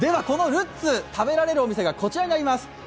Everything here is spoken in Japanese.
このルッツ、食べられるお店がこちらになります。